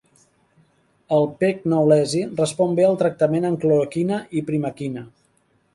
El "P. knowlesi" respon bé al tractament amb cloroquina i primaquina.